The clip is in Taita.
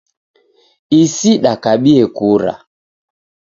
Isi dakabie kura